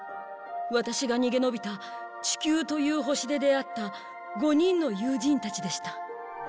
ワタシが逃げ延びたチキュウという星で出会った５人の友人たちでした。